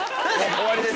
終わりです